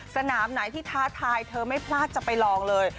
สนามไหนที่ท้าทายเธอไม่พลาดจะไปลองเลย